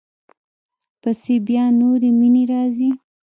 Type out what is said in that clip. پسې بیا نورې مینې راځي.